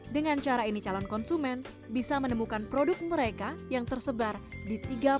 dengan cara ini calon konsumen bisa menemukan produk mereka yang tersebar di tiga puluh tujuh outlet dan distro